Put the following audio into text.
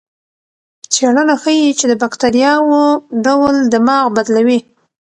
څېړنه ښيي چې د بکتریاوو ډول دماغ بدلوي.